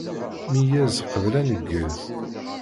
Meyyez qbel aneggez.